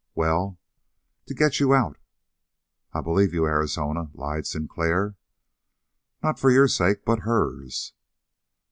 "Well?" "To get you out." "I believe you, Arizona," lied Sinclair. "Not for your sake but hers."